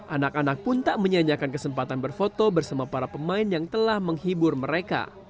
anak anak pun tak menyanyikan kesempatan berfoto bersama para pemain yang telah menghibur mereka